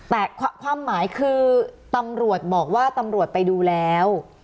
แต่ความหมายคือตำรวจบอกว่าตำรวจไปดูแล้ว